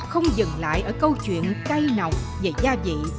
không dừng lại ở câu chuyện cay nồng về gia vị